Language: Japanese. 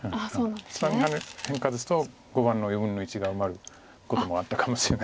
下にハネる変化ですと碁盤の４分の１が埋まることもあったかもしれないですけど。